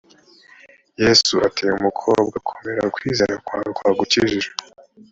yezu ati mukobwa komera ukwizera kwawe kwagukijije